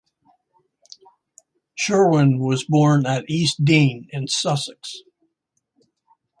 Sherwin was born at East Dean in Sussex.